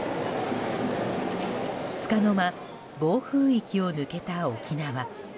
つかの間暴風域を抜けた沖縄。